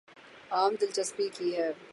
عام دلچسپی کی ہیں